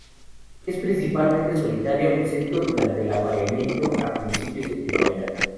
Es principalmente solitario excepto durante el apareamiento, a principios de primavera.